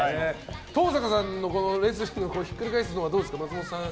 登坂さんのレスリングでひっくり返すのはどうですか、松本さん。